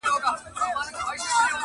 مور بې وسه ده او د حل لاره نه ويني,